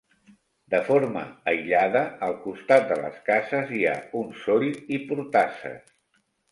De forma aïllada, al costat de les cases, hi ha una soll i portasses.